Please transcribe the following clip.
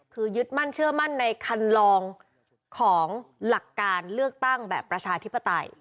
คือยึดมั่นเชื่อมั่นในคันลองของหลักการเลือกตั้งแบบประชาธิปไตย